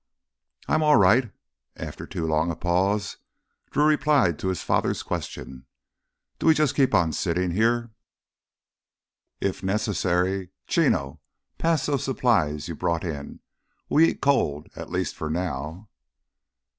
"I'm all right." After too long a pause, Drew replied to his father's question. "Do we just keep on sittin' here?" "If necessary, Chino, pass those supplies you brought in. We eat cold, at least for now."